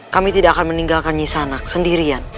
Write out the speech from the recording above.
kami tidak akan meninggalkan nyi sanak sendirian